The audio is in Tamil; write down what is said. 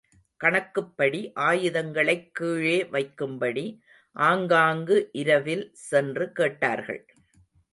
கணக்குப்படி ஆயுதங்களைக் கீழே வைக்கும்படி ஆங்காங்கு இரவில் சென்று கேட்டார்கள்.